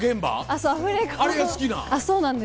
あれが好きなん？